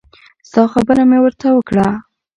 ستا خبره مې ورته وکړه.